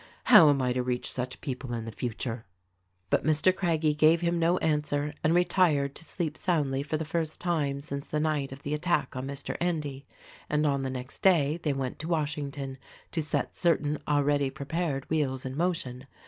How am I to reach such people in the future?" But Mr. Craggie gave him no answer and retired to sleep soundly for the first time since the night of the attack on Mr. End} ; and on the next day they went to Wash ington to set certain already prepared wheels in motion.